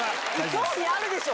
興味あるでしょ！